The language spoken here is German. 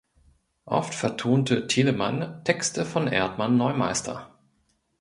Oft vertonte Telemann Texte von Erdmann Neumeister.